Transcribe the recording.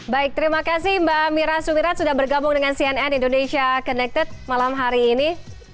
baik terima kasih mbak mira sumirat sudah bergabung dengan cnn indonesia connected malam hari ini